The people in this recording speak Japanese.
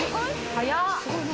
早っ！